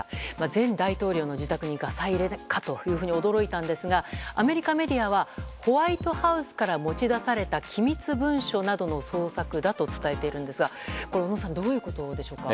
前大統領の自宅にガサ入れかと驚いたんですがアメリカメディアはホワイトハウスから持ち出された機密文書などの捜索だと伝えているんですがこれ小野さんどういうことでしょうか。